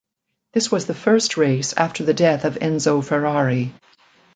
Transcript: This was the first race after the death of Enzo Ferrari.